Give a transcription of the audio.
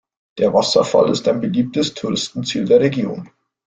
Der Wasserfall ist ein beliebtes Touristenziel der Region.